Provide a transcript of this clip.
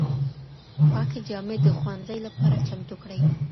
پاکې جامې د ښوونځي لپاره چمتو کړئ.